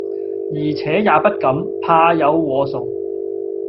而且也不敢，怕有禍祟。